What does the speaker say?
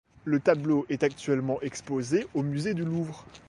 Le tableau est actuellement exposé au musée du Louvre.